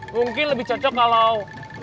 mungkin lebih cocok kalau